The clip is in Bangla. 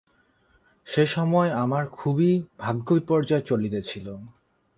সে-সময় আমার খুবই ভাগ্য বিপর্যয় চলিতেছিল।